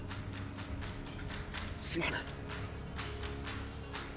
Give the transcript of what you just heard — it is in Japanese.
すまない。